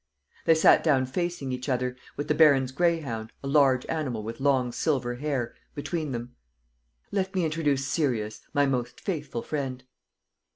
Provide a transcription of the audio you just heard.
They sat down facing each other, with the baron's greyhound, a large animal with long, silver hair, between them. "Let me introduce Sirius, my most faithful friend."